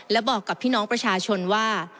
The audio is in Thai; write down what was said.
และบอกกับพี่น้องประชาชนว่า